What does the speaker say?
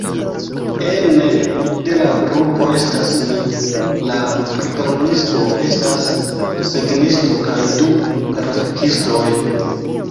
Ene de la grupo estas mi, la programisto, estas desegnisto kaj du grafikistoj.